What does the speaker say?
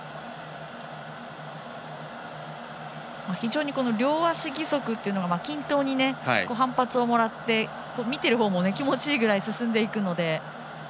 非常に両足義足というのも均等に反発をもらって見ているほうも気持ちいいぐらい進んでいくので。